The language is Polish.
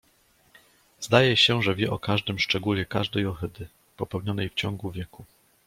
"Zdaje się, że wie o każdym szczególe każdej ohydy, popełnionej w ciągu wieku."